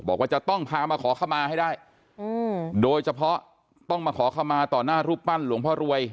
บอกว่าจะต้องพามาขอเข้ามาให้ได้โดยเฉพาะต้องมาขอขมาต่อหน้ารูปปั้นหลวงพ่อรวย